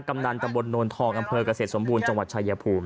กำนันตำบลโนนทองอำเภอกเกษตรสมบูรณ์จังหวัดชายภูมิ